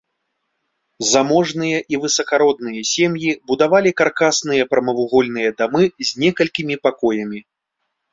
Заможныя і высакародныя сем'і будавалі каркасныя прамавугольныя дамы з некалькімі пакоямі.